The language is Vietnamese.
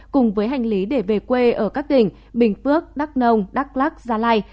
cùng với hành lý để về quê ở các tỉnh bình phước đắk nông đắk lắc gia lai